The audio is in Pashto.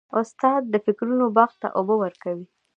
استاد د فکرونو باغ ته اوبه ورکوي.